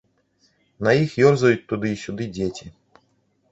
На іх ёрзаюць туды і сюды дзеці.